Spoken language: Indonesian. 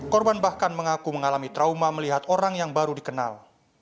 korban bahkan mengaku mengalami trauma melihat orang yang baru dikenal